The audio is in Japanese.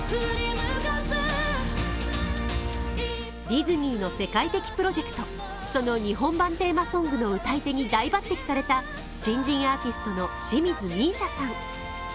ディズニーの世界的プロジェクト、その日本版テーマソングの歌い手に大抜てきされた新人アーティスとの清水美依紗さん。